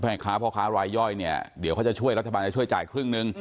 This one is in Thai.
พ่อค้าพ่อค้ารายย่อยเนี่ยเดี๋ยวเขาจะช่วยรัฐบาลจะช่วยจ่ายครึ่งหนึ่ง